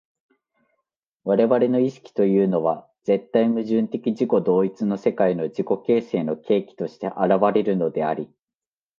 我々の意識というのは絶対矛盾的自己同一の世界の自己形成の契機として現れるのであり、